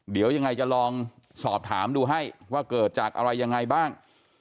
เดี๋ยวยังไงจะลองสอบถามดูให้ว่าเกิดจากอะไรยังไงบ้าง